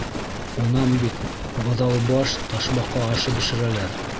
—Унан бит быҙаубаш ташбаҡа ашы бешерәләр.